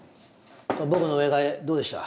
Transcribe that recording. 僕の植え替えどうでした？